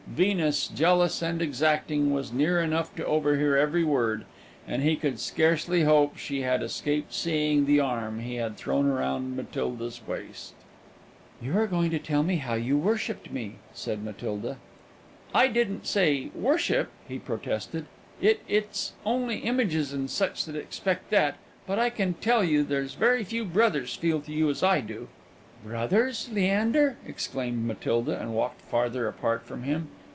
Venus, jealous and exacting, was near enough to overhear every word, and he could scarcely hope she had escaped seeing the arm he had thrown round Matilda's waist. "You were going to tell me how you worshipped me," said Matilda. "I didn't say worship," he protested; "it it's only images and such that expect that. But I can tell you there's very few brothers feel to you as I feel." "Brothers, Leander!" exclaimed Matilda, and walked farther apart from him.